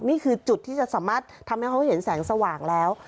นี่คือจุดที่จะสามารถทำให้เขาเห็นแสงสว่างแล้ว